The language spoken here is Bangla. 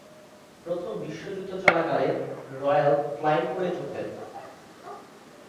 প্রথম বিশ্বযুদ্ধ চলাকালে রয়্যাল ফ্লাইং কোরে যোগ দেন।